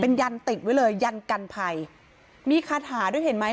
ยันติดไว้เลยยันกันภัยมีคาถาด้วยเห็นไหม